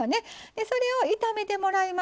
でそれを炒めてもらいます。